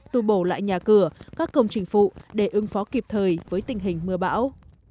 tu bổ lại nhà cửa các công trình phụ để ứng phó kịp thời với tình hình mưa bão